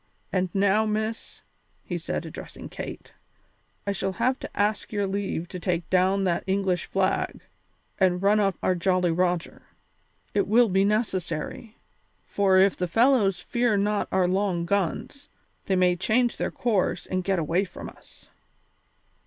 And now, Miss," he said, addressing Kate, "I shall have to ask your leave to take down that English flag and run up our Jolly Roger. It will be necessary, for if the fellows fear not our long guns, they may change their course and get away from us."